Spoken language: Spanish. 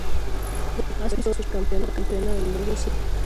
Ha sido ocho veces subcampeona del mundo y siete de Europa.